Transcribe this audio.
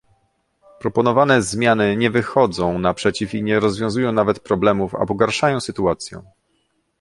Proponowane zmiany nie wychodzą na przeciw i nie rozwiązują nawet problemów, a pogarszają sytuację